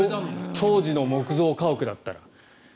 当時の木造家屋だったら。